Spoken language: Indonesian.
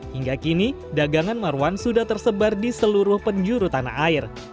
hingga kini dagangan marwan sudah tersebar di seluruh penjuru tanah air